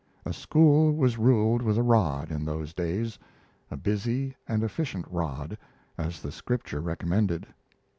A School was ruled with a rod in those days, a busy and efficient rod, as the Scripture recommended.